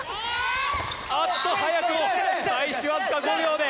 あっと早くも開始わずか５秒で。